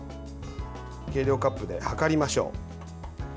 計量カップで量りましょう。